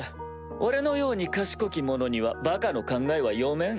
俺のように賢き者にはバカの考えは読めん。